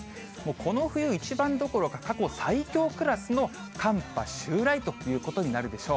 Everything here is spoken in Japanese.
この冬一番どころか、過去最強クラスの寒波襲来ということになるでしょう。